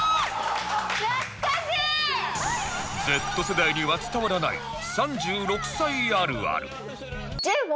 Ｚ 世代には伝わらない３６歳あるある